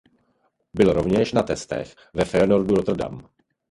Byl rovněž na testech ve Feyenoordu Rotterdam.